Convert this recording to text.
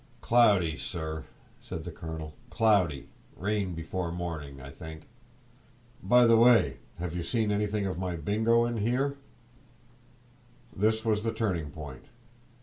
"Cloudy, sir," said the colonel, "cloudy; rain before morning, I think. By the way, have you seen anything of Bingo in here?" This was the turning point.